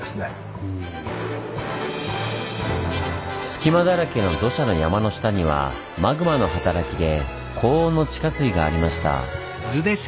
隙間だらけの土砂の山の下にはマグマの働きで高温の地下水がありました。